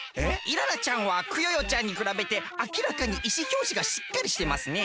イララちゃんはクヨヨちゃんにくらべてあきらかにいしひょうじがしっかりしてますね。